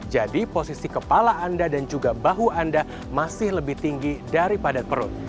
jadi posisi kepala anda dan juga bahu anda masih lebih tinggi dari pada perut